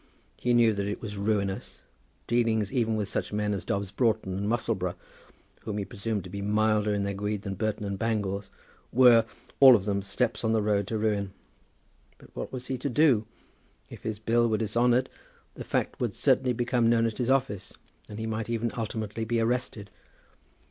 He knew that it was ruinous. Dealings even with such men as Dobbs Broughton and Musselboro, whom he presumed to be milder in their greed than Burton and Bangles, were, all of them, steps on the road to ruin. But what was he to do? If his bill were dishonoured, the fact would certainly become known at his office, and he might even ultimately be arrested.